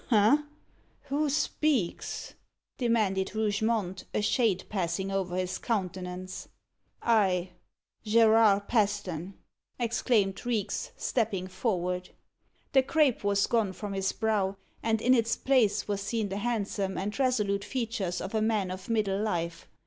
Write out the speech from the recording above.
"Ha! who speaks?" demanded Rougemont, a shade passing over his countenance. "I, Gerard Paston!" exclaimed Reeks, stepping forward. The crape was gone from his brow, and in its place was seen the handsome and resolute features of a man of middle life.